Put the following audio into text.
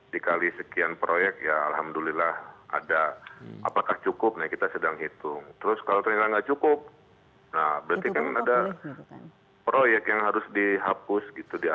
dikali sekian proyek ya alhamdulillah ada apakah cukup nih kita sedang hitung terus kalau ternyata nggak cukup nah berarti kan ada proyek yang harus dihapus gitu dia